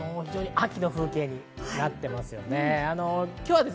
秋の風景になっています。